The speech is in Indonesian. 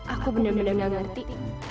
aku benar benar nggak ngerti